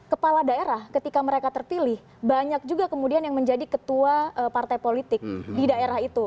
kepala daerah ketika mereka terpilih banyak juga kemudian yang menjadi ketua partai politik di daerah itu